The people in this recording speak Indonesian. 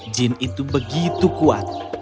jin itu begitu kuat